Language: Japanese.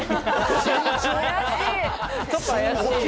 ちょっとあやしい。